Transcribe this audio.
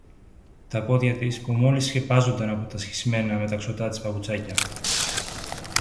Τα πόδια της που μόλις σκεπάζονταν από τα σχισμένα μεταξωτά της παπουτσάκια